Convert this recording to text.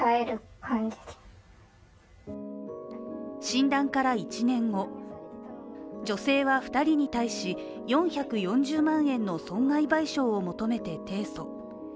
診断から１年後、女性は２人に対し４４０万円の損害賠償を求めて提訴。